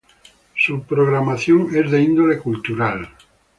Su programación es de índole cultural.